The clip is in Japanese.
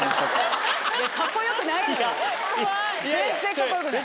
全然カッコよくない。